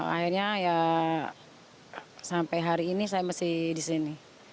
akhirnya ya sampai hari ini saya masih di sini